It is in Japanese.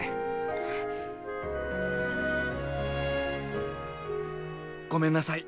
あ。ごめんなさい。